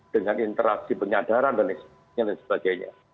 dengan interaksi penyadaran dan lain sebagainya